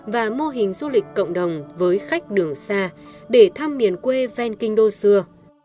và mô hình du lịch cộng đồng với khách đường xa để thăm miền quê ven kinh đô xưa